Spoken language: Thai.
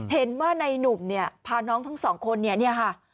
เห็นว่าในนุ่มเนี่ยพาน้องทั้งสองคนเนี่ยเนี่ยค่ะ